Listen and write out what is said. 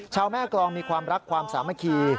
ชาวแม่กรองมีความรักความสามัคคี